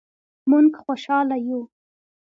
مونږ خوشحاله یو